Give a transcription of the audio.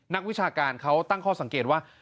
นักวิชาการเขาตั้งข้อสังเกตว่า